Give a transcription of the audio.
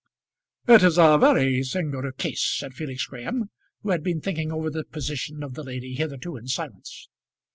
"It is a very singular case," said Felix Graham, who had been thinking over the position of the lady hitherto in silence.